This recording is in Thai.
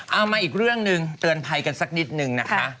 มาอีกเรื่องหนึ่งเตือนภัยกันสักนิดนึงนะคะ